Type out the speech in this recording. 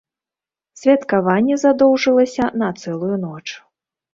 Святкаванне задоўжылася на цэлую ноч.